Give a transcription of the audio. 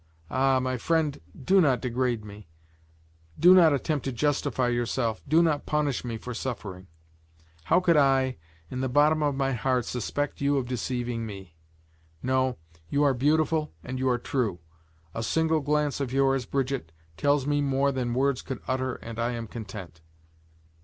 Ah! my friend, do not degrade me; do not attempt to justify yourself, do not punish me for suffering. How could I, in the bottom of my heart, suspect you of deceiving me? No, you are beautiful and you are true; a single glance of yours, Brigitte, tells me more than words could utter, and I am content.